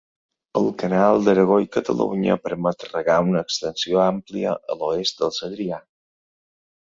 El canal d'Aragó i Catalunya permet regar una extensió àmplia a l'oest del Segrià.